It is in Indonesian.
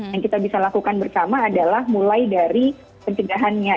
yang kita bisa lakukan bersama adalah mulai dari pencegahannya